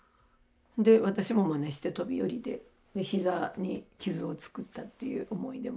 で私もまねして飛び降りて膝に傷をつくったっていう思い出も。